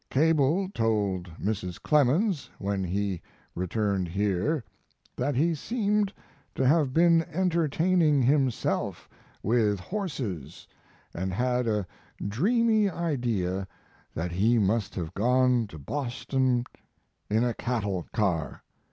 Cable told Mrs. Clemens, when he returned here, that he seemed to have been entertaining himself with horses, and had a dreamy idea that he must have gone to Boston in a cattle car.